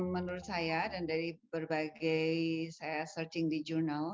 menurut saya dan dari berbagai saya searching di jurnal